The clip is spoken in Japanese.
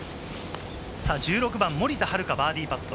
１６番、森田遥、バーディーパット。